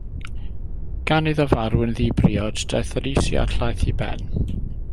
Gan iddo farw yn ddibriod daeth yr is-iarllaeth i ben.